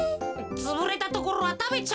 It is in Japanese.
つぶれたところはたべちゃおうぜ。